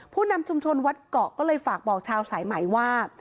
ผู้นำชุมชนวัดเกาะก็เลยฝากบอกชาวสายไหมว่า